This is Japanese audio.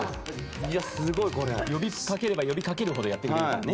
呼びかければ呼びかけるほどやってきますね。